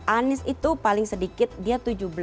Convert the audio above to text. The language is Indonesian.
anis itu paling sedikit dia tujuh belas tujuh puluh lima